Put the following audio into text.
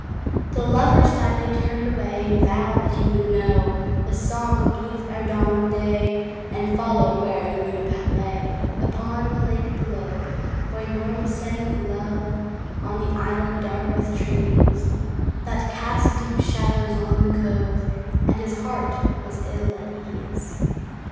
The lover sadly turned away And vowed that he would know The song complete e'er dawn of day And followed where the moonpath lay Upon the lake below, Where Norma sang of love On the island dark with trees That cast deep shadows on the cove, And his heart was ill at ease.